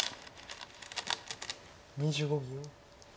２５秒。